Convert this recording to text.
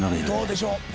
どうでしょう。